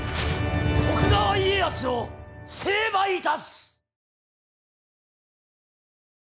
徳川家康を成敗いたす！